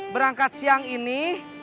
berangkat siang ini